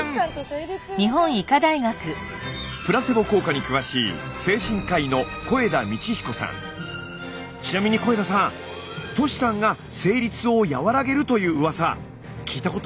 プラセボ効果に詳しい精神科医のちなみに肥田さんトシさんが生理痛を和らげるというウワサ聞いたことありました？